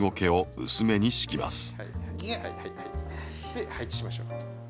で配置しましょう。